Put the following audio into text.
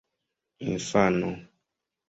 infano